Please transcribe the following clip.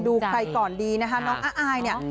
ดูใครก่อนดีนะคะน้องอ้าอายเนี่ย